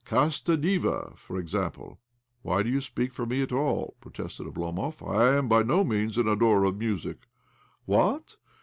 —' Casta Diva,' for example." ' Why did you speak for me at all ?" pro tested Oblomov. '' I am by no means an adorer of music." "What?"